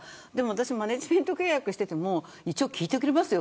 マネジメント契約をしていても一応聞いてくれますよ。